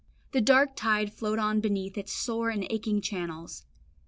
The dark tide flowed on beneath in its sore and aching channels.